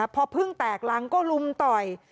พอเพิ่งแตกรังก็ลุมต่อย